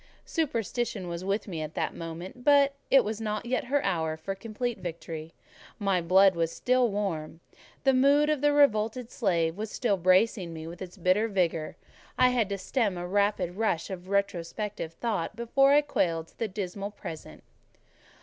Superstition was with me at that moment; but it was not yet her hour for complete victory: my blood was still warm; the mood of the revolted slave was still bracing me with its bitter vigour; I had to stem a rapid rush of retrospective thought before I quailed to the dismal present.